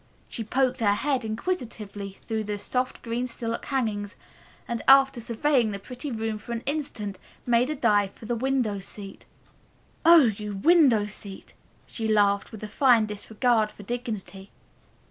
She poked her head inquisitively through the soft green silk hangings and after surveying the pretty room for an instant made a dive for the window seat. "Oh, you window seat!" she laughed with a fine disregard for dignity.